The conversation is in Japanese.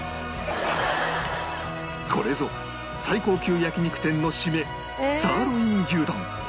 これぞ最高級焼肉店のシメサーロイン牛丼